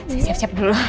saya siap siap dulu